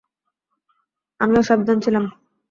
আমি অসাবধান ছিলাম।